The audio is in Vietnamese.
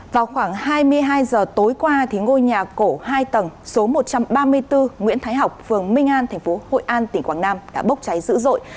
vào khoảng hai mươi hai giờ tối qua ngôi nhà cổ hai tầng số một trăm ba mươi bốn nguyễn thái học phường minh an tp hội an tỉnh quảng nam đã bốc cháy dữ dội